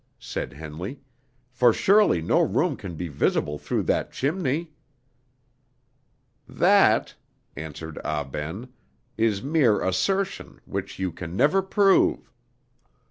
said Henley, "for surely no room can be visible through that chimney." "That," answered Ah Ben, "is mere assertion, which you can never prove."